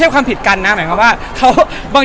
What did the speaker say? พี่เห็นไอ้เทรดเลิศเราทำไมวะไม่ลืมแล้ว